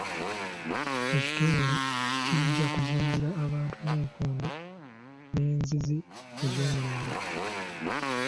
Ekitongole kijja kuzimbira abantu nnayikondo n'enzizi ez'omulembe.